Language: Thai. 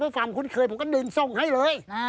เพราะฟังคุณเคยผมก็ดึงส่งให้เลย